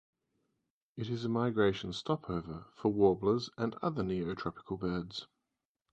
It is a migration stopover for warblers and other neo-tropical birds.